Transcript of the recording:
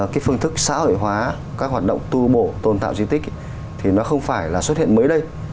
cái phương thức xã hội hóa các hoạt động tu bổ tôn tạo di tích thì nó không phải là xuất hiện mới đây